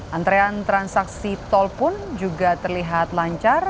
antrean transaksi tol pun juga terlihat lancar